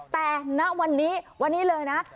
แต่ณวันนี้วันนี้เลยนะ